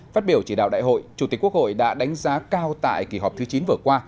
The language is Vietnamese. phát biểu chỉ đạo đại hội chủ tịch quốc hội đã đánh giá cao tại kỳ họp thứ chín vừa qua